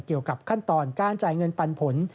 เกี่ยวกับขั้นตอนการจ่ายเงินปันผล